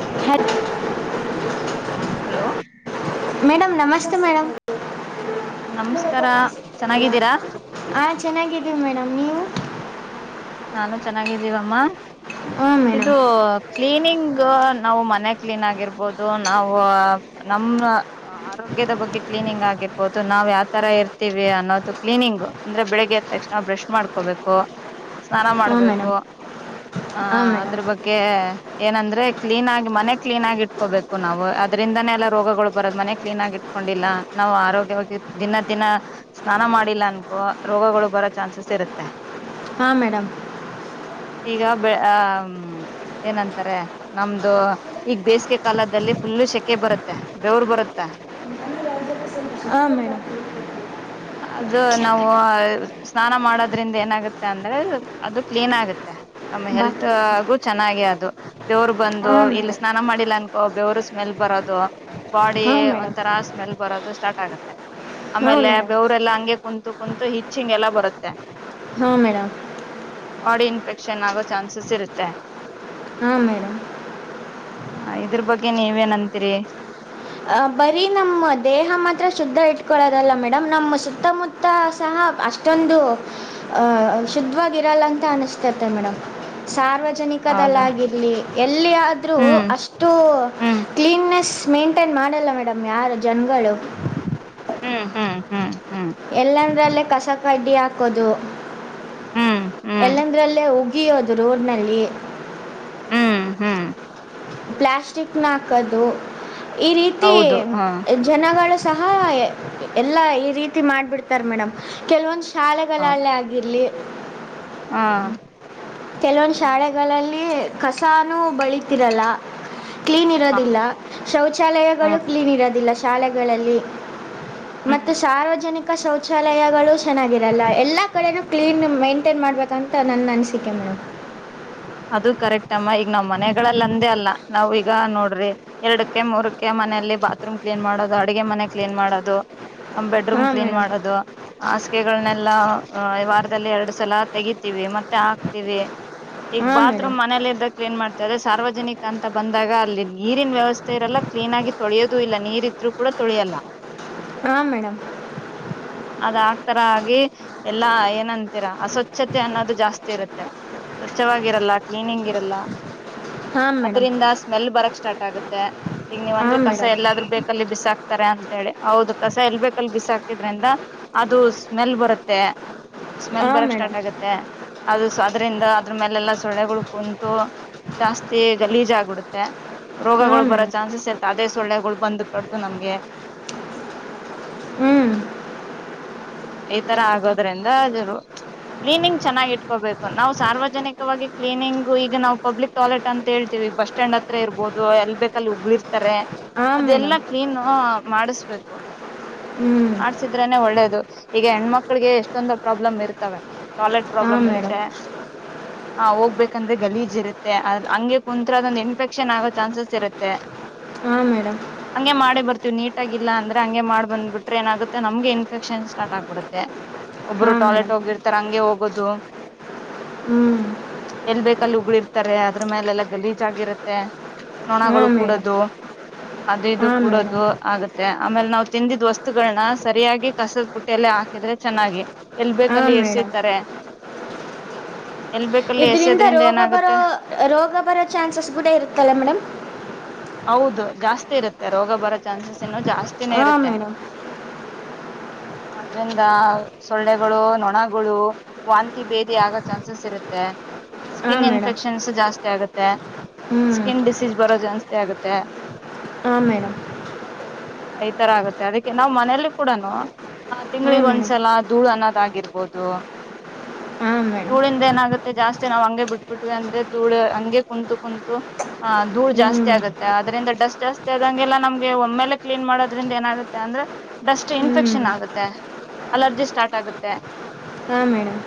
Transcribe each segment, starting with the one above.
ಹ hello madam ನಮಸ್ತೆ madam ನಮಸ್ಕಾರ ಚೆನ್ನಾಗಿದ್ದೀರಾ ಹ ಚೆನ್ನಾಗಿದೀವಿ ಮೇಡಮ್ ನೀವು ನಾನು ಚೆನ್ನಾಗಿದ್ದೀವಮ್ಮ ಹಾಂ ಇದು ಮೇಡಮ್ ಕ್ಲೀನಿಂಗ್ ನಾವು ಮನೆ ಕ್ಲೀನ್ ಆಗಿರ್ಬೋದು ನಾವು ನಮ್ಮ ಆರೋಗ್ಯದ ಬಗ್ಗೆ ಕ್ಲೀನಿಂಗ್ ಆಗಿರ್ಬೋದು ನಾವ್ ಯಾವ್ ತರ ಇರ್ತೀವಿ ಅನ್ನೋದು ಕ್ಲೀನಿಂಗ್ ಅಂದ್ರೆ ಬೆಳಿಗ್ಗೆ ಎ ತಕ್ಷಣ ಬ್ರಷ್ ಮಾಡ್ಕೋಬೇಕು ಸ್ನಾನ ಹಾಂ ಮಾಡ್ಬೇಕು ಮೇಡಮ್ ಆಹ ಹಾಂ ಮೇಡಮ್ ಅದ್ರ ಬಗ್ಗೆ ಏನಂದ್ರೆ ಕ್ಲೀನ್ ಆಗಿ ಮನೆ ಕ್ಲೀನ್ ಆಗಿ ಇಟ್ಕೋಬೇಕು ನಾವು ಅದ್ರಿಂದಾನೇ ಎಲ್ಲಾ ರೋಗಗಳು ಬರದ ಮನೆ ಕ್ಲೀನ್ ಆಗಿ ಇಟ್ಕೊಂಡಿಲ್ಲ ನಾ್ ಆರೋಗ್ಯವಾಗಿ ದಿನ ದಿನ ಸ್ನಾನ ಮಾಡಿಲ್ಲ ಅನ್ಕೋ ರೋಗಗಳು ಬರೋ ಚಾನ್ಸಸ್ ಇರುತ್ತೆ ಹಾ ಮೇಡಮ್ ಈಗ ಬೆ ಏನಂತಾರೆ ನಮ್ದು ಈಗ ಬೇಸಿಗೆ ಕಾಲದಲ್ಲಿ ಫುಲ್ಲು ಸೆಕೆ ಬರುತ್ತೆ ಬೆವರ್ ಬರುತ್ತೆ ಹ ಮೇಡಮ್ ಅದು ನಾವು ಸ್ನಾನ ಮಾಡೋದ್ರಿಂದ ಏನಾಗುತ್ತೆ ಅಂದ್ರೆ ಅದು ಕ್ಲೀನ್ ಆಗುತ್ತೆ ನಮ್ಮ ಬಾಕಿ ಹೆಲ್ತ್ಗು ಚೆನ್ನಾಗಿೆ ಅ ದೇವರು ಬಂದು ಹಾಂ ಇಲ್ಲಿ ಮೇಡಮ್ ಸ್ನಾನ ಮಾಡಿಲ್ಲ ಬೇವರು ಸ್ಮೆಲ್ ಬರೋದು ಬಾಡಿ ಹಾಂ ಮೇಡಮ್ ಒಂಥರ ಸ್ಮೆಲ್ ಬರೋದು ಸ್ಟಾರ್ಟ್ ಆಗತ್ತೆ ಹಾ ಮೇಡಮ್ ಅವರೆಲ್ಲಾ ಹಂಗೆ ಕುಂತು ಕುಂತು ಹಿಚಿಂಗೆಲ್ಲಬರುತ್ತೆ ಹೂ ಮೇಡಮ್ ಬಾಡಿ ಇನ್ಫೆಕ್ಷನ್ ಆಗೋ ಚಾನ್ಸಸ್ ಇರುತ್ತೆ ಹಾಂ ಮೇಡಮ್ ಇದ್ರ ಬಗ್ಗೆ ನೀವೇನಂತೀರಿ ಅ ಬರೀ ನಮ್ಮ ದೇಹ ಮಾತ್ರ ಶುದ್ಧ ಇಟ್ಕೊಳ್ಳದಲ್ಲ ಮೇಡಮ್ ನಮ್ಮ ಸುತ್ತಮುತ್ತ ಸಹ ಅಷ್ಟೊಂದು ಅ ಶುದ್ಧವಾಗಿರಲ್ಲ ಅಂತ ಅನಿಸ್ತತೆ ಮೇಡಮ್ ಸಾರ್ ಹೌದಾ ನಿಕಧಲ್ಲಾಗಿರಲಿ ಎಲ್ಲಿ ಆದ್ರೂ ಹ್ಮ್ ಅಷ್ಟು ಹ್ಮ್ ಕ್ಲೀನ್ ನೆಸ್ ಮೇನ್ ಮಾಡಲ್ಲ ಮೇಡಮ್ ಯಾರ ಜನಾಗಳು ಹಾ ಎಲ್ಲಂದ್ರೆ ಅಲ್ಲಿ ಕಸಕಡ್ಡಿ ಹಾಕೋದು ಹ್ಮ್ ಹ್ಮ್ ಎಲ್ಲಂದ್ರಲ್ಲೇ ಒಬ್ ಹೂಗಿಯೋದು ರೋಡ್ನಲ್ಲಿ ಹ್ಮ್ ಹ್ಮ್ ಪ್ಲಾಸ್ಟಿಕ್ನ ಹಾಕೋದು ಈ ರೀತಿ ಹೌದು ಹ ಜನಗಳ ಸಹ ಎಲ್ಲ ಈ ರೀತಿ ಮಾಡಿಬಿಡ್ತಾರೆ ಮೇಡಮ್ ಕೆಲವೊಂದು ಶಾಲೆಗಳಲ್ಲಿ [unintelligible] ಆಗಿರ್ಲಿ ಹಾ ಕೆಲವೊಂದು ಶಾಲೆಗಳಲ್ಲಿ ಕಸಾನೂ ಬಳೀತಿರಲ್ಲ ಕ್ಲೀನ್ ಹ ಇರೋದಿಲ್ಲ ಶೌಚಾಲಯಗಳು ಹ್ಮ್ ಕ್ಲೀನ್ ಇರೋದಿಲ್ಲ ಶಾಲೆಗಳಲ್ಲಿ ಹ್ಮ್ ಮತ್ತು ಸಾರ್ವಜನಿಕ ಶೌಚಾಲಯಗಳು ಚೆನ್ನಾಗಿರಲ್ಲ ಎಲ್ಲ ಕಡೆನೂ ಕ್ಲೀನ್ ಮೈಂಟೈನ್ ಮಾಡ್ಬೇಕಂತ ನನ್ನ ಅನಿಸಿಕ [unintelligible] ಅದು ಕರೆಕ್ಟ್ ಅಮ್ಮ ಈಗ ನಾವ್ ಮನೆಗಳಲ್ಲ ಅಂದೇ ಅಲ್ಲ ನಾವ್ ಈಗ ನೋಡ್ರಿ ಎರಡಕ್ಕೆ ಮೂರಕ್ಕೆ ಮನೆಯಲ್ಲಿ ಬಾತ್ರೂಮ್ ಕ್ಲೀನ್ ಮಾಡೋದು ಅಡಗೆ ಮನೆ ಕ್ಲೀನ್ ಮಾಡೋದು ನಮ ಬೆಡ್ರೂಮ್ ಹಾಂ ಕ್ಲೀನ್ ಮೇಡಮ್ ಮಾಡೋದು ಹಾಸಿಗೆಗಳನೆಲ್ಲಾ ವಾರದಲ್ಲಿ ಎರಡು ಸಲ ತೆಗತಿವಿ ಮತ್ತೆ ಹಾಕ್ ತಿವಿ [unintelligible] ಈಗ ಹಾಂ ಮೇಡಮ್ ಬಾತ್ರೂಮ್ ಮನೇಲಿ ಇದ್ದಾಗ ಕ್ಲೀನ್ ಮಾಡ್ತೀವಿ [unintelligible] ಸಾರ್ವಜನಿಕ ಅಂತ ಬಂದಾಗ ಅಲ್ಲಿ ನೀರಿನ ವ್ಯವಸ್ಥೆ ಇರಲ್ಲ ಕ್ಲೀನ್ ಆಗಿ ತೊಳಿಯೋದು ಇಲ್ಲ ನೀರ್ ಇದ್ರು ಕೂಡ ತೊಳಿಯಲ್ಲ ಹಾ ಮೇಡಮ್ ಅದ ಆಗ್ತಾರಾ [unintelligible] ಆಗಿ ಎಲ್ಲಾ ಏನಂತೀರ ಅಸ್ವಚ್ಛತೆ ಅನ್ನೋದು ಜಾಸ್ತಿ ಇರುತ್ತೆ ಸ್ವಚ್ಛವಾಗಿರಲ್ಲ ಕ್ಲೀನಿಂಗ್ ಇರಲ್ಲ ಹಾಂ ಮೇಡಮ್ ಅದರಿಂದ ಸ್ಮೆಲ್ ಬರಕ್ ಸ್ಟಾರ್ಟ್ ಆಗುತ್ತ ತೆ [unintelligible] ನಿವಂಧ್ರಿ ಹಾಂ [unintelligible] ಕಸ ಮೇಡಮ್ ಎಲ್ಲಾದ್ರೂ ಬೇಕ ಅಲ್ಲಿ ಬಿಸಾಕ್ ಬಿಸಕ್ತಾರೆ ಅಂತೇಳಿ ಹೌದು ಕಸ ಎಲ್ ಬೇಕಲ್ಲಿ ಬಿಸಾಕಿದ್ರಿಂದ ಅದು ಸ್ಮೆಲ್ ಬರುತ್ತೆ ಸ್ಮೆಲ್ ಹಾಂ ಬರಕ್ ಮೇಡಮ್ ಸ್ಟಾರ್ಟ್ ಆಗತ್ತೆ ಅದು ಸೊ ಅದ್ರಿಂಧ ಅದ್ರ ಮೇಲೆಲ್ಲಾ ಸೊಳ್ಳೆಗಳು ಕುಂತು ಜಾಸ್ತಿ ಲೀಜ್ ಆಗ್ಬಿಡುತ್ತೆ ರೋಗಗಳು ಹಾಂ ಬರೋ ಮೇಡಮ್ ಚಾನ್ಸಸ್ ಇರ್ತ್ತೆ ಅದೇ ಸೊಳ್ಳೆಗಳು ಬಂದ್ ಕಡ್ದು ನಮ್ಗೆ ಹ್ಞೂ ಈ ತರ ಆಗೋದ್ರಿಂದರು [unintelligible] ಕ್ಲೀನಿಂಗ್ ಚೆನ್ನಾಗಿ ಇಟ್ಕೋಬೇಕು ನಾವ್ ಸಾರ್ವಜನಿಕವಾಗಿ ಕ್ಲೀನಿಂಗ್ ಈಗ ನಾವ್ ಪಬ್ಲಿಕ್ ಟಾಯ್ಲೆಟ್ ಅಂತ ಹೇಳ್ತೀವಿ ಬಸ್ ಸ್ಟ್ಯಾಂಡ್ ಹತ್ರ ಇರ್ಬೋದು ಎಲ್ ಬೇಕಲ್ಲಿ ಉಗಳಿರ್ತಾರೆ ಹಾಂ ಮೇಡಮ್ ಅದೆಲ್ಲಾ ಕ್ಲೀನು ಮಾಡಿಸ್ಬೇಕು ಹ್ಞೂ ಮಾಡಸಿದ್ರನೆ ಒಳ್ಳೇದು ಈಗ ಹೆಣ್ಮಕ್ಳಿಗೆ ಎಷ್ಟೊಂದು ಪ್ರಾಬ್ಲಮ್ ಇರ್ತವೆ ಟಾಯ್ಲೆಟ್ ಹಾಂ ಪ್ರಾಬ್ಲಮ್ ಮೇಡಮ್ ಇರುತ್ತೆ ಆ ಹೋಗ್ಬೇಕಂದ್ರೆ ಗಲೀಜ್ ಇರುತ್ತೆ ಅ ಹಂಗೆ ಕುಂತ್ರ [unintelligible] ಇನ್ಫೆಕ್ಷನ್ ಆಗೋ ಚಾನ್ಸಸ್ ಇರುತ್ತೆ ಹ ಮೇಡಮ್ ಹಂಗೆ ಮಾಡಿ ಬರ್ತೀವಿ ನಿಟ್ ಆಗಿಲ್ಲ ಅಂದ್ರೆ ಹಂಗೆ ಮಾಡ ಬಂಬಿಟ್ರೆ ಏನಾಗುತ್ತೆ ನಮಗೆ ಇನ್ಫೆಕ್ಷನ್ಸ್ [unintelligible] ಸ್ಟಾರ್ಟ್ ಆಗ್ಬಿಡುತ್ತೆ ಒಬ್ಬರು ಹಾಂ ಟಾಯ್ಲೆಟ್ ಮೇಡಮ್ ಹೋಗಿರ್ತಾರೆ ಹಂಗೆ ಹೋಗೋದು ಹ್ಞೂ ಎಲ್ಲಿ ಬೇಕಲ್ಲಿ ಉಳಿರ್ತಾರೆ ಅದ್ರ ಮೇಲೆಲ್ಲ ಗಲೀಜ್ ಆಗಿರುತ್ತೆ ಹಾಂ ನೊಣಗಳು ಮೇಡಮ್ ಕಡೋದು ಅದು ಇದು ಹಾಂ ಮೇಡಮ್ ಕೂಡೋದು ಆಗುತ್ತೆ ಆಮೇಲೆ ನಾವು ತಿಂದಿದ ವಸ್ತುಗಳನ್ನ ಸರಿಯಾಗಿ ಕಸದ್ ಬುಟ್ ತೆಲೆ [unintelligible] ಹಾಕಿದ್ರೆ ಚೆನ್ನಾಗಿ ಎಲ್ ಬೇಕಲ್ಲಿ ಹಾಂ ಮೇಡಮ್ ಎಸಿರ್ತಾರೆ ಇದರಿಂದ ರೋಗ ಬರೋ ರೋಗ ಬರೋ ಚಾನ್ಸಸ್ ಕೂಡ ಇರುತ್ತಲ್ಲ ಮೇಡಮ್ ಹೌದು ಜಾಸ್ತಿ ಇರುತ್ತೆ ರೋಗ ಬರೋ ಚಾನ್ಸಸ್ ಇನ್ನು ಜಾಸ್ತಿನೇ ಹಾಂ ಇರುತ್ತೆ ಮೇಡಮ್ ಆದ್ರಿಂದ ಸೊಳ್ಳೆಗಳು ನೊಣಗಳು ವಾಂತಿ ಬೇದಿ ಆಗೋ ಚಾನ್ಸಸ್ ಇರುತ್ತೆ ಹಾಂ ಸ್ಕಿನ್ ಮೇಡಮ್ ಇನ್ಫೆಕ್ಷನ್ಸ್ ಜಾಸ್ತಿ ಆಗುತ್ ತ್ತೆ ಹ್ಞೂ [unintelligible] ಸ್ಕಿನ್ ಡಿಸೀಸ್ ಬರೋ [unintelligible] ಆಗುತ್ತೆ ಹಂ ಮೇಡಮ್ ಈ ತರ ಆಗತ್ತೆ ಅದಕ್ಕೆ ನಾವ್ ಮನೇೆಯಲ್ಲಿ ಕೂಡನು ಆಹ ಹಾಂ ತಿಂಗಳಿಗೆ ಮೇಡಮ್ ಒಂದ್ಸಲ ಧೂಳು ಅನ್ನೋದ್ಗಿರ್ಬೋದು ಹಾಂ ಮೇಡಮ್ ಧೂಳಿಂದ ಏನಾಗುತ್ತೆ ಜಾಸ್ತಿ ನಾವ್ ಹಂಗೆ ಬಿಟ್ಬಿಟ್ವಿ ಅಂದ್ರೆ ಧಳ ಹಂಗೆ ಕುಂತು ಕುಂತು ಆಹ ಧಳು ಹ್ಞೂ ಜಾಸ್ತಿ ಆಗತ್ತೆ ಅದ್ರಿಂದ ಡಸ್ಟ್ ಜಾಸ್ತಿ ಆದಂಗೆಲ್ಲ ನಮ್ಗೆ ಒಮ್ಮೆಲೆ ಕ್ಲೀನ್ ಮಾಡೋದ್ರಿಂದ ಏನಾಗುತ್ತೆ ಅಂದ್ರೆ ಡಸ್ಟ್ ಹ್ಞೂ ಇನ್ಫೆಕ್ಷನ್ ಆಗುತ್ತೆ ಅಲರ್ಜಿ ಸ್ಟಾರ್ಟ್ ಆಗುತ್ತೆ ಹಾಂ ಮೇಡಮ್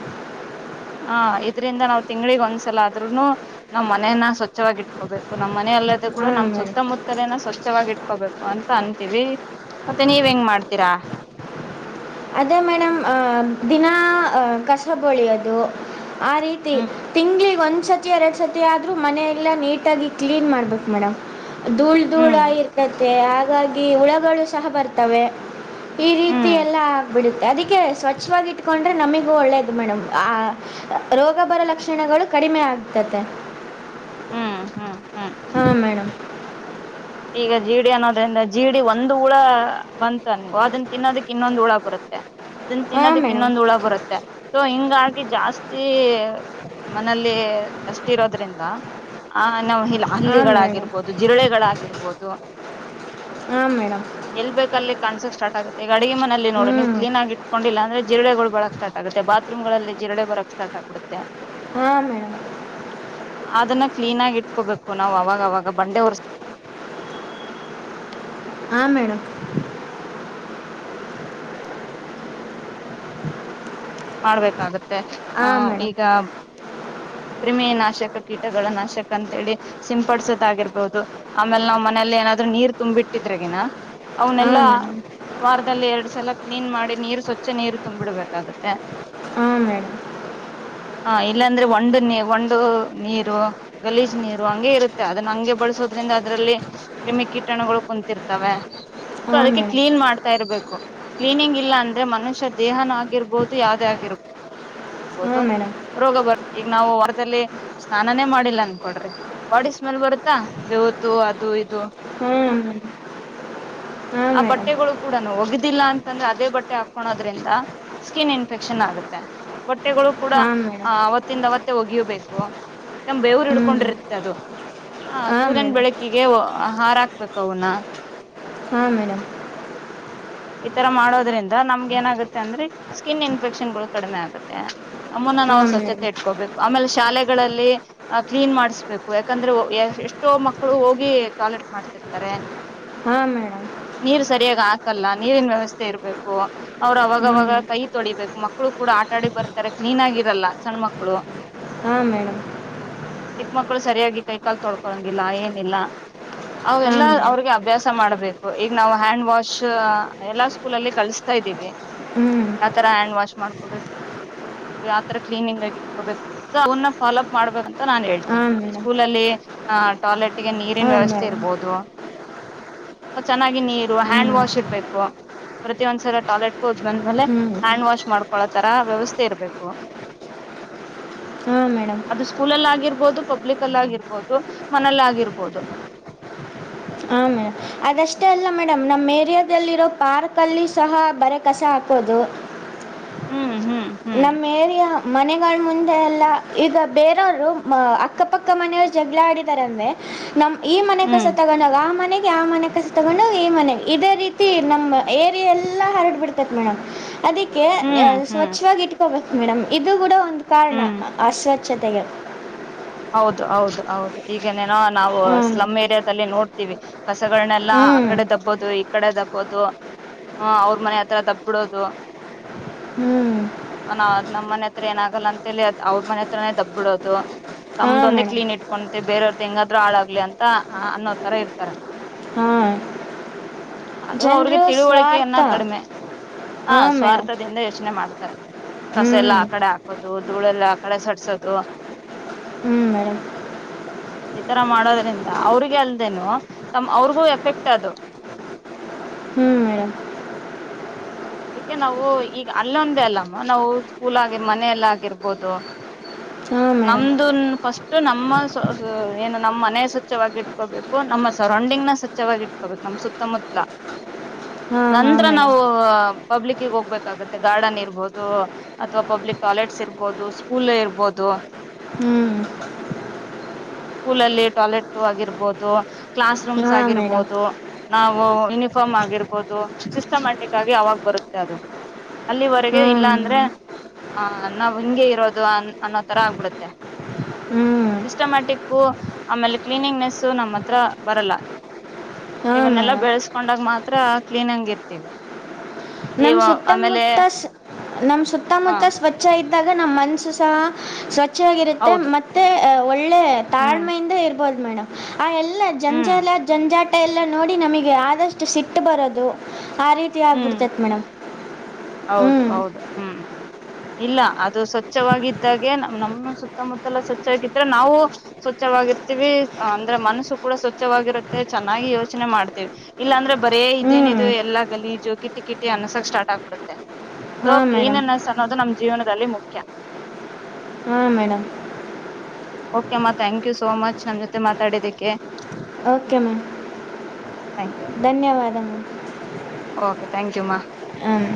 ಹಾ ಇದ್ರಿಂದ ನಾವ್ ತಿಂಗಳಗ್ ಒಂದ್ಸಲ ಆದ್ರುನು ನಮ್ ಮನೇನ್ನ ಸ್ವಚ್ಛವಾಗಿ ಇಟ್ಕೋಬೇಕು ನಮ್ ಮನ ಅಲ್ಲದ ಕೂಡ ಹಾಂ ನಮ್ ಮೇಡಮ್ ಸುತ್ತಮುತ್ತಲನ ಸ್ವಚ್ಛವಾಗಿ ಇಟ್ಕೋಬೇಕು ಅಂತ ಅನ್ಂತೀವಿ ಮತ್ತೆ ನೀವ್ ಹೆಂಗ್ ಮಾಡ್ತೀರಾ ಅದೇ ಮೇಡಮ್ ದಿನಾ ಕಸ ಬಳಿಯೋದು ಆ ರೀತಿ ಹ್ಮ್ ತಿಂಗಗಳಗ ಒಂದು ಒಂದು ಸತಿ ಎರಡು ಸತಿ ಆದರೂ ಮನೆಯ ಎಲ್ಲ ನೀಟಾಗಿ ಕ್ಲೀನ್ ಮಾಡ್ಬೇಕು ಮೇಡಮ್ ಧೂಳ್ ೂಳ ಹ್ಮ್ ಆರ್ಕದೆ ಹಾಗಾಗಿ ಹುಳಗಳು ಸಹ ಬರ್ತವೆ ಈ ರೀತಿ ಹ್ಮ್ ಎಲ್ಲ ಬಿಡುತ್ತೆ ಅದಕ್ಕೆ ಸ್ವಚ್ಛವಾಗಿಟ್ಕೊಂಡ್ರೆ ನಮಗೂ ಒಳ್ಳೆಯದು ಮೇಡಮ್ ಆ ರೋಗಬರ ಲಕ್ಷಣಗಳು ಕಡಿಮೆ ಆಗ್ತತೆ ಹ್ಮ್ ಹ್ಮ್ ಹ್ಮ್ ಹಾ ಮೇಡಮ್ ಈಗ ಜೀಡಿ ಅನ್ನೋದ್ರಿಂದ ಜೀಡಿ ಒಂದು್ ಹುಳ ಬಂತು ಅನ್ಗೋ ಅದನ್ನ ತಿನ್ನೋದಕ್ ಇನ್ನೊಂದು್ ಹುಳ ಬರುತ್ತೆ ಅದನ್ನ ಹಾಂ ತಿನ್ನೋದಕ್ ಮೇಡಮ್ ಇನ್ನೊಂದು್ ಹುಳ ಬರುತ್ತೆ ಸೊ ಹಿಂಗಾಗಿ ಜಾಸ್ತಿ ಮನೆಯಲ್ಲಿ ಅಷ್ಟ ಇರೋದ್ರಿಂದ ಆ ನಾವು ಹಾಂ ಮೇಡಮ್ ಹಲ್ಲಿಗಳಾಗಿರ್ಬಹುದು ಜಿರಳೆಗಳಾಗಿ ಆಬೋದು ಹಾಂ ಮೇಡಮ್ ಎಲ್ಬೇಕ ಅಲ್ಲಿ ಕಾಣಸಕ್ ಸ್ಟಾರ್ಟ್ ಆಗುತ್ತೆ ಗಡಿಗೆ ಮನೆಯಲ್ಲಿ ನೋಡ ಹ್ಞೂ ನೀ್ ಕ್ಲೀನ್ ಆಗಿ ಇಟ್ಕೊಂಡಿಲ್ಲ ಅಂದ್ರೆ ಜಿರ್ಡೆಗಳು ಬಳಕ್ ಸ್ಟಾರ್ಟ್ ಆಗುತ್ತೆ ಬಾತ್ತ್ರೂಮ್ಗಳಲ್ಲಿ ಜಿರ್ಡೆ ಬರಕ್ ಸ್ಟಾರ್ಟ್ ಆಗ್ಬಿಡುತ್ತೆ ಹಾಂ ಮೇಡಮ್ ಅದನ್ನ ಕ್ಲೀನ್ ಆಗಿ ಇಟ್ಕೋಬೇಕು ನಾವ್ ಅವಾಗ ಅವಾಗ ಬಂಡೆ ಹೊರ್ ಹಾಂ ಮೇಡಮ್ ಮಾಡಬೇಕಾಗುತ್ತೆ ಹ ಹಾಂ ಮೇಡಮ್ ಈಗ ಕ್ರಿಮಿ ನಾಶಕ ಕೀಟಗಳ ನಾಶಕ ಅಂತಿ ಸಿಂಪಡ್ಸೋದಗಿರ್ಬಹುದು ಆಮೇಲೆ ನಾವ್ ಮನೆಯಲ್ಲಿ ಏನಾದ್ರು ನೀರು ತುಂಬಿಟ್ಟಿದ್ರಗಿನ ಅವನೆಲ್ಲ ಹಾಂ ಮೇಡಮ್ ವಾರದಲ್ಲಿ ಎರಡ್ ಸಲ ಕ್ಲೀನ್ ಮಾಡಿ ನೀರು ಸ್ವಚ್ಛ ನೀರು ತುಂಬಿಡ್ಬೇಕಾಗುತ್ತೆ ಹಾಂ ಮೇಡಮ್ ಹ ಇಲ್ಲಾಂದ್ರೆ ಒಂದು ಒಂದು ನೀರು ಗಲೀಜ್ ನೀರು ಹಂಗೆ ಇರುತ್ತೆ ಅದನ್ನ ಹಂಗೆ ಬಳಸೋದ್ರಿಂದ ಅದರಲ್ಲಿ ಕ್ರಿಮಿ ಕೀಟಣಗಳು ಕುಂತಿರ್ತವೆ ಸೊ ಹಾಂ ಅದಕ್ಕೆ ಮೇಡಮ್ ಕ್ಲೀನ್ ಮಾಡ್ತಾ ಇರಬೇಕು ಕ್ಲೀನಿಂಗ್ ಇಲ್ಲ ಅಂದ್ರೆ ಮನುಷ್ಯ ದೇಹನ ಆಗಿರ್ಬಹುದು ಯಾವದೇ ಆಗಿರ್ಬಹುದು ಹಾಂ ಮೇಡಮ್ ರೋಗ ನಾವು ವಾರದಲ್ಲಿ ಸ್ನಾನಾನೇ ಮಾಡಿಲ್ಲ ಅನ್ಕೊಂಡ್ರಿ ಬಾಡಿ ಸ್ಮೆಲ್ ಬರುತ್ತಾ ಬವುತ ಅದು ಇದು ಹಾಂ ಮೇಡಮ್ ಹಾಂ ಆ ಮೇಡಮ್ ಬಟ್ಟೆಗಳು ಕೂಡನು ಒಗ್ದಿಲ್ಲ ಅಂತಂದ್ರೆ ಅದೇ ಬಟ್ಟೆ ಹಾಕೊಳೋದ್ರಿಂದ ಸ್ಕಿನ್ ಇನ್ಫೆಕ್ಷನ್ ಆಗುತ್ತೆ ಬಟ್ಟೆಗಳು ಕೂಡ ಹಾಂ ಆ ಮೇಡಮ್ ಅವತ್ತಿಂದ ಅವತ್ತೇ ಒಗಿಬೇಕು ಯಾಕಂದ ಬೇವರು ಹ್ಞೂ ಹಿಡ್ಕೊಂಡಿರತ್ತೆ ಅದು ಆ ಹಾಂ ಸೂರ್ಯನ ಮೇಡಮ್ ಬೆಳಕಿಗೆ ಹಾರಾಕ್ಬೇಕು ಅವನ್ನ ಹಾ ಮೇಡಂ ಈತರ ಮಾಡೋದ್ರಿಂದ ನಮ್ಗ ಏನಾಗುತ್ತೆ ಅಂದ್ರೆ ಸ್ಕಿನ್ ಇನ್ಫೆಕ್ಷನ್ ಗಳು ಕಡಿಮೆ ಆಗುತ್ತೆ ನಮ್ಮನ್ನ ನಾವು ಹಾಂ ಸ್ವಚ್ಛತೆ ಮೇಡಮ್ ಇಟ್ಕೋಬೇಕು ಆಮೇಲೆ ಶಾಲೆಗಳಲ್ಲಿ ಕ್ಲೀನ್ ಮಾಡಿಸ್ಬೇಕು ಯಾಕಂದ್ರೆ ಎಷ್ಟೋ ಮಕ್ಕಳು ಹೋಗಿ ಟಾಯ್ಲೆಟ್ ಮಾಡ್ತಿರ್ತಾರೆ ಹಾಂ ಮೇಡಮ್ ನೀರು ಸರಿಯಾಗಿ ಹಾಕಲ್ಲ ನೀರಿನ ವ್ಯವಸ್ಥೆ ಇರಬೇಕು ಅವ್ರು ಹ್ಞೂ ಅವಾಗವಾಗ ಕೈ ತೊಳಿಬೇಕು ಮಕ್ಕಳು ಕೂಡ ಆಟ ಆಡಿ ಬರ್ತಾರೆ ಕ್ಲೀನ್ ಆಗಿರಲ್ಲ ಸಣ್ಣ ಮಕ್ಕಳು ಹಾಂ ಮೇಡಮ್ ಚಿಕ್ಕ ಮಕ್ಳು ಸರಿಯಾಗಿ ಕೈ ಕಾಲ್ ತೊಳ್ಕೊಂಗಿಲ್ಲ ಏನಿಲ್ಲ ಅವೆಲ್ಲ ಹಾಂ ಮೇಡಮ್ ಅವ್ರಿಗೆ ಅಭ್ಯಾಸ ಮಾಡಬೇಕು ಈಗ ನಾವು ಹ್ಯಾಂಡ್ ವಾಶ್ ಎಲ್ಲಾ ಸ್ಕೂಲಲ್ಲಿ ಕಳಿಸತಾ ಇದೀವಿ ಹ್ಞೂ ಯಾವತರ ಹ್ಯಾಂಡ್ ವಾಶ್ ಮಾಡ್ಕೋಬೇಕು ಯಾವತರ ಕ್ಲೀನಿಂಗ್ ಆಗಿ ಇಟ್ಕೋಬೇಕು ಸೊ ಅವನ್ನ ಫಾಲೋ ಅಪ್ ಮಾಡ್ಬೇಕಂತ ನಾನನ್ ಹೇಳ್ತೀನಿ ಹಾಂ ಮೇಡಮ್ ಸ್ಕೂಲ ಅಲ್ಲಿ ಟಾಯ್ಲೆಟ್ ಗೆ ನೀರಿನ ಹಾಂ ವ್ಯವಸ್ಥೆ ಮೇಡಮ್ ಇರ್ಬಹದು ಚೆನ್ನಾಗಿ ನೀರು ಹ್ಞೂ ಹ್ಯಾಂಡ್ ವಾಶ್ ಇರ್ಬೇಕು ಪ್ರತಿಯೊಂದು ಸಲ ಟಾಯ್ಲೆಟ್ಗ ಹೋಗಿ ಬಂದ್ಮೇಲೆ ಹ್ಞೂ ಹ್ಯಾಂಡ್ ವಾಶ್ ಮಾಡ್ಕೊಳ್ಳೋ ತರ ವ್ಯವಸ್ಥೆ ಇರ್ಬೇಕು ಹಾಂ ಮೇಡಮ್ ಅದು ಸ್ಕೂಲಲ್ಲ ಆಗಿರ್ಬೋದು ಪಬ್ಲಿಕ್ ಅಲ್ಲಿ ಆಗಿರ್ಬೋದು ಮನೆಲಿ ಆಗಿರ್ಬೋದು ಹಾಂ ಮೇಡಮ್ ಅದಷ್ಟೇ ಅಲ್ಲ ಮೇಡಂ ನಮ್ಮ ಏರಿಯಾದಲ್ಲಿರೋ ಪಾರ್ಕಲ್ಲಿ ಸಹ ಬರೆ ಕಸ ಹಾಕೋದು ಹ್ಮ್ ಹ್ಮ್ ಹ್ಮ್ ನಮ್ಮ ಏರಿಯಾ ಮನೆಗಳ ಮುಂದೆ ಎಲ್ಲಾ ಈಗ ಬೇರೆಯವ್ರು ಅಕ್ಕಪಕ್ಕ ಮನೆಯವ್ರು ಜಗಳ ಆಡಿದಾರ ಅಂದ್ರೆ ನಮ್ ಈ ಮನೆ ಹ್ಮ್ ಕಸ ತಗೊಂಡು ಹೋಗಿ ಆ ಮನೆಗೆ ಆ ಮನೆ ಕಸ ತಗೊಂಡು ಈ ಮನೆಗೆ ಇದೇ ರೀತಿ ನಮ್ಮ್ ಏರಿಯೆಲ್ಲಾ ಹರಡ ಬಿಡತೈತೆ ಮೇಡಂ ಅದಕ್ಕೆ ಹ್ಮ್ ಹ್ಮ್ ಸ್ವಚ್ ಇಟ್ಕೋಬೇಕು ಮೇಡಂ ಇದು ಕೂಡ ಒಂದು ಕಾರಣ ಹ್ಮ್ ಅಸ್ವಚತೆಗ ಹೌದು ಹೌದು ಹೌದು ಈಗ ಏನೋ ನಾವು ಹ್ಞೂ ಸ್ಲಮ್ ಏರಿಯಾದ ನೋಡ್ತೀವಿ ಕಸಗಳನ್ನೆಲ್ಲಾ ಹ್ಞೂ ಆ ಕಡೆ ದಬ್ಬೋದು ಈ ಕಡೆ ದಬ್ಬೋದು ಹ ಅವ್ರ ಮನೆ ಹತ್ರ ದಬ್ಬಿಬಿಡೋದು ಹ್ಞೂ ನ ನಮ್ಮ್ ಮನೆ ಹತ್ರ ಏನಾಗಲ್ಲ ಅಂತೇಳಿ ಅವ್ರ ಮನೆ ಹತ್ರನೇ ದಬ್ಬಿಬಿಡೋದು ಹಾಂ ತಮ್ದೊಂದೇ ಮೇಡಮ್ ಕ್ಲೀನ್ ಇಟ್ಕೊತೆ ಬೇರೆಯವ್ರ್ದ ಹೆಂಗಾದ್ರು ಹಾಳಾಗ್ಲಿ ಅಂತ ಅನ್ನೋ ತರ ಇರ್ತಾರೆ ಹಾಂ ಅದು ಅವ್ರಿಗೆ ಜನರು ತಿಳುವಳಿಕೆಯನ್ನ ಸ್ವಾರ್ಥ ಕಡಿಮೆ ಹಾ ಹಾಂ ಮೇಡಮ್ ಸ್ವಾರ್ಥದಿಂದ ಯೋಚನೆ ಮಾಡ್ತಾರೆ ಹ್ಞೂ ಕಸ ಎಲ್ಲ ಆಕಡೆ ಹಾಕೋದು ಧೂಳೆಲ್ಲ ಆ ಕಡೆ ಸರ್ಸೋದು ಹ್ಮ್ ಮೇಡಂ ಈತರ ಮಾಡೋದ್ರಿಂದ ಅವ್ರಿಗೆ ಅಲ್ದೇನು ತಮ್ಮಅವ್ರಿಗೂ ಎಫೆಕ್ಟ್ ಅದು ಹ್ಞೂ ಮೇಡಮ್ ಹ ಅದಕ್ಕೆ ನಾವು ಈಗ ಅಲ್ಲೊಂದೇ ಅಲ್ಲಮ್ಮ ನಾವು ಸ್ಕೂಲ್ ಆಗಿರ್ ಮನೇಲಿ ಆಗಿರ್ಬೋದು ಹಾಂ ಮೇಡಮ್ ನಮ್ದನ್ ಫಸ್ಟ್ ನಮ್ಮ ಏನು ನಮ್ಮ್ ಮನೆ ಸ್ವಚ್ವಾಗಿ ಇಟ್ಕೋಬೇಕು ನಮ್ಮ ಸರೌಂಡಿಂಗ್ನ ಸ್ವಚ್ವಾಗಿ ಇಟ್ಕೋಬೇಕು ನಮ ಸುತ್ತಮುತ್ತಲ ಹಾ ಹಾ ನಂತರ ಮೇಡಮ್ ನಾವು ಪಬ್ಲಿಕ್ ಹೋಗ್ಬೇಕಾಗುತ್ತೆ ಗಾರ್ಡನ್ ಇರ್ಬಹುದು ಅಥವಾ ಪಬ್ಲಿಕ್ ಟಾಯ್ಲೆಟ್ಸ್ ಇರ್ಬಹದು ಸ್ಕೂಲ್ ಇರ್ಬೋದು ಹ್ಮ್ ಸ್ಕೂಲಲ್ಲಿ ಟಾಯ್ಲೆಟ್ ಆಗಿರ್ಬೋದು ಕ್ಲಾಸ್ ರೂಮ್ಸ್ ಹಾ ಮೇಡಮ್ ಆಗಿರ್ಬೋದು ನಾವು ಯೂನಿಫಾರ್ಮ್ ಆಗಿರ್ಬೋದು ಸಿಸ್ಟಮ್ಯಾಟಿಕ್ ಆಗಿ ಅವಾಗ ಬರುತ್ತೆ ಅದು ಅಲ್ಲಿವರೆಗೆ ಇಲ್ಲ ಹ್ಮ್ ಅಂದ್ರೆ ಆಹ ನಾವ್ ಹಿಂಗಗೆ ಇರೋದು ಅ ಅನ್ನೋ ತರ ಆಗ್ಬಿಡುತ್ತೆ ಹ್ಮ್ ಸಿಸ್ಟಮ್ಯಾಟಿಕ್ಕು ಆಮೇಲೆ ಕ್ಲೀನಿಂಗ್ನೆಸ್ ನಮ್ಮ ಹತ್ರ ಬರಲ್ಲ ಹಾ ಇವನ್ನೆಲ್ಲಾ ಮೇಡಮ್ ಬೆಳೆಸ್ಕೊಂಡಾಗ ಮಾತ್ರ ಕ್ಲೀನ್ಂಗ ಇರ್ತೀವಿ ನಮ್ಮ ಇವ ಆಮೇಲೆ ಸುತ್ತಮುತ್ತ ನಮ್ಮ ಹ ಸುತ್ತಮುತ್ತ ಸ್ವಚ್ಛ ಇ ಇದಾಗ ನಮ್ಮ ಮನ್ಸುಸಹ ಸ್ವಚ್ಛ ಸ್ವಚ್ಛವಾಗಿರುತ್ತೆ ಹೌದು ಮತ್ತೆ ಒಳ್ಳೆ ಹ್ಮ್ ತಾಳ್ಮೆಯಿಂದ ಇರ್ ಬೋದು ಮೇಡಮ್ ಆ ಎಲ್ಲ ಹ್ಮ್ ಜಂಜಾಲ ಜಂಜಾಟ ಎಲ್ಲ ನೋಡಿ ನಮಗೆ ಆದಷ್ಟು ಸಿಟ್ಟು ಬರೋದು ಆ ರೀತಿ ಹ್ಮ್ ಆಗ್ಬಿಡ್ತೈತೆ ಮೇಡಮ್ ಹೌದು ಹ್ಮ್ ಹೌದು ಹ್ಮ್ ಇಲ್ಲ ಅದು ಸ್ವಚ್ಛವಾಗಿದ್ದಾಗೆ ನ್ ನಮ್ಮ ಸುತ್ತಮುತ್ತಲ ಸ್ವಚ್ಛಗಿದ್ರೆ ನಾವು ಸ್ವಚ್ಛವಾಗಿರ್ತೀವಿ ಅಂದ್ರೆ ಮನಸ್ಸು ಇಲ್ಲ ಅದು ಸ್ವಚ್ಛವಾಗಿ ಇದ್ದಾಗೆ ನಮ್ಮ ಸುತ್ತ ಮುತ್ತಲ ಸ್ವಚ್ಛವಾಗಿದ್ದರೆ ನಾವು ಸ್ವಚ್ಛವಾಗಿರ್ತಿವಿ ಅಂದರೆ ಮನಸು ಸ್ವಚ್ಛವಾಗಿರುತ್ತೆ ಚೆನ್ನಾಗಿ ಯೋಚನೆ ಮಾಡ್ತೀವಿ ಇಲ್ಲಾಂದ್ರೆ ಬರೇ ಹ್ಮ್ ಇದೇನಿದದು ಎಲ್ಲಾ ಗಲೀಜು ಕಿಟ್ಟಿ ಕಿಟಿ ಅನ್ಸಕಕ್ ಸ್ಟಾರ್ಟ್ ಆಗ್ಬಿಡುತ್ತೆ ಸೊ ಹಾಂ ಮೇಡಮ್ ಕ್ಲೀನರ್ನೆಸ್ ಅನ್ನೋದು ನಮ್ ಜೀವನದಲ್ಲಿ ಮುಖ್ಯ ಹಾಂ ಮೇಡಮ್ ಓಕೆಮ್ಮ ಥ್ಯಾಂಕ್ ಯು ಸೋ ಮಚ್ ನಮ್ಮ ಜೊತೆ ಮಾತಾಡಿದಕ್ಕೆ ಓಕೆ ಮ್ಯಾಮ್ ಥ್ಯಾಂಕ್ ಯು ಧನ್ಯವಾದಗಳು ಓಕೆ ಥ್ಯಾಂಕ್ ಯು ಮಾ ಹ್ಮ